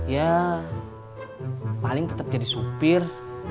ya paling tetap jadi supir